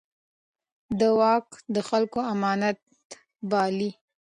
ده واک د خلکو امانت باله.